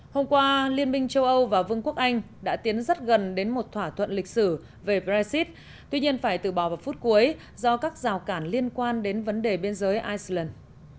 hôm qua liên minh châu âu và vương quốc anh đã tiến rất gần đến một thỏa thuận lịch sử về brexit tuy nhiên phải từ bỏ vào phút cuối do các rào cản liên quan đến vấn đề biên giới iceland